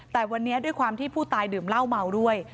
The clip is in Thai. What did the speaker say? แต่วันนี้ด้วยความที่ผู้ตายดื่มเหล้าเมาด้วย